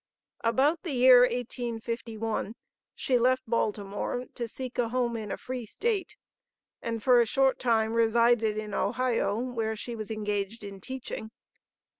About the year 1851 she left Baltimore to seek a home in a Free State, and for a short time resided in Ohio, where she was engaged in teaching.